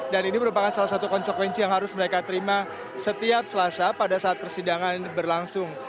dan ini merupakan salah satu konsekuensi yang harus mereka terima setiap selasa pada saat persidangan berlangsung